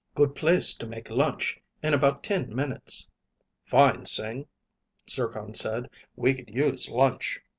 "Good place to make lunch, in about ten minutes." "Fine, Sing," Zircon said. "We could use lunch."